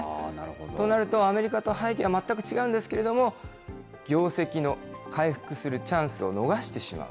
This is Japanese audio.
となると、アメリカと背景は全く違うんですけれども、業績の回復するチャンスを逃してしまう。